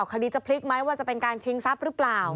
คดีจะพลิกไหมว่าจะเป็นการชิงทรัพย์หรือเปล่า